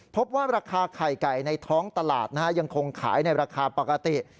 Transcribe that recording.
พบว่าราคาไข่ไก่ในท้องตลาดยังคงขายในราคาปกติ